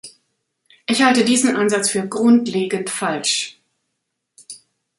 Ich halte diesen Ansatz für grundlegend falsch.